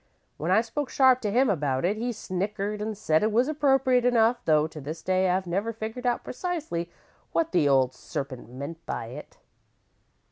When I spoke sharp to him about it, he snickered, an' said it was appropriate enough, though to this day I've never figured out precisely just what the old serpent meant by it.